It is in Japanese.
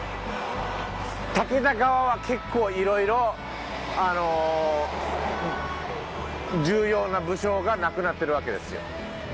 武田側は結構色々あの重要な武将が亡くなってるわけですよ。